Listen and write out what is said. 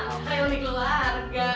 gak ada yang dikeluarga